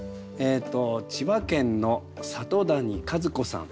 千葉県の里谷和子さん